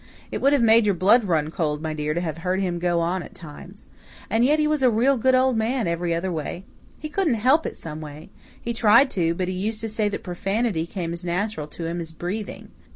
It would have made your blood run cold, my dear, to have heard him go on at times. And yet he was a real good old man every other way. He couldn't help it someway. He tried to, but he used to say that profanity came as natural to him as breathing.